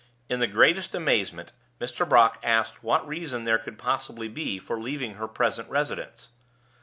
In the greatest amazement Mr. Brock asked what reason there could possibly be for leaving her present residence?